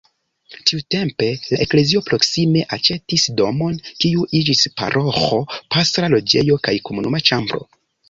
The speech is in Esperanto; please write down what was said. Tiutempe la eklezio proksime aĉetis domon, kiu iĝis paroĥo, pastra loĝejo kaj komuna ĉambro.